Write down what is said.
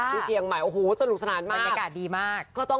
ที่เชียงใหม่โอ้โหสนุกสนานมาก